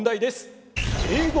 英語！